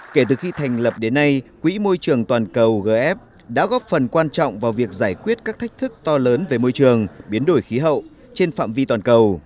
kể từ khi thành lập đến nay quỹ môi trường toàn cầu gf đã góp phần quan trọng vào việc giải quyết các thách thức to lớn về môi trường biến đổi khí hậu trên phạm vi toàn cầu